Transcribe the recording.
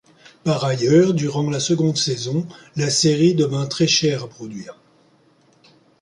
Par ailleurs, durant la seconde saison, la série devint très chère à produire.